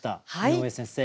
井上先生